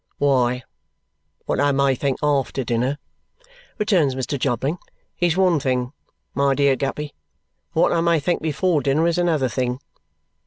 "Why, what I may think after dinner," returns Mr. Jobling, "is one thing, my dear Guppy, and what I may think before dinner is another thing.